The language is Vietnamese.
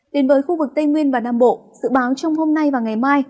đến với khu vực tây nguyên và nam bộ dự báo trong hôm nay và ngày mai